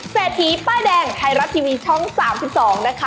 เศรษฐีป้ายแดงไทยรัฐทีวีช่อง๓๒นะคะ